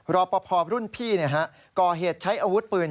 รอปภรุ่นพี่ก่อเหตุใช้อาวุธปืน